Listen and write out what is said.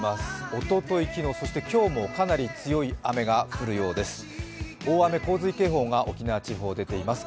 おととい、昨日、そして今日もかなり強い雨が降るようです。